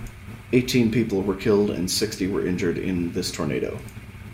Eighteen people were killed and sixty were injured in this tornado.